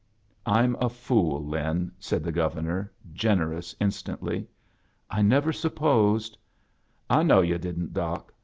"I'm a fool, Lin," said the Governor, generous instantly. "I never supposed —" "I know yu' didn't. Doc.